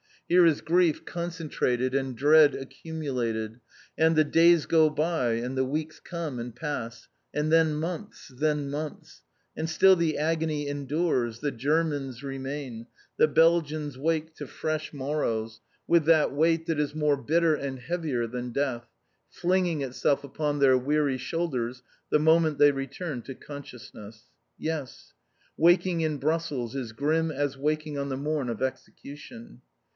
Here is grief concentrated and dread accumulated, and the days go by, and the weeks come and pass, and then months then months! and still the agony endures, the Germans remain, the Belgians wake to fresh morrows, with that weight that is more bitter and heavier than Death, flinging itself upon their weary shoulders the moment they return to consciousness. Yes. Waking in Brussels is grim as waking on the morn of execution!